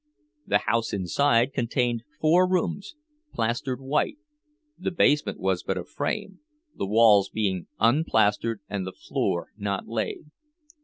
The house inside contained four rooms, plastered white; the basement was but a frame, the walls being unplastered and the floor not laid.